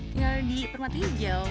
tinggal di permatun jawa